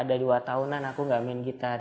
udah dua tahunan aku gak main gitar